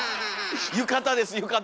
浴衣です浴衣！